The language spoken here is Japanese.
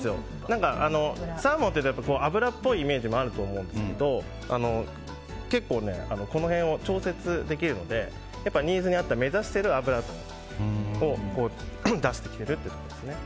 サーモンって脂っぽいイメージもあると思うんですけど結構、この辺を調節できるのでニーズに合った目指してる脂を出してきていると。